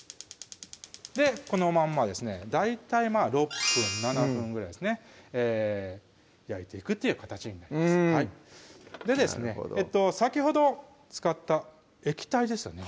でこのまんまですね大体まぁ６分・７分ぐらいですね焼いていくっていう形になりますうん先ほど使った液体ですよね